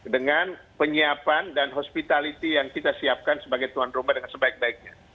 dengan penyiapan dan hospitality yang kita siapkan sebagai tuan rumah dengan sebaik baiknya